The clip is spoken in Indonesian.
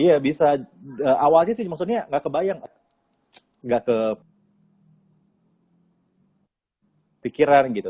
iya bisa awalnya sih maksudnya nggak kebayang nggak ke pikiran gitu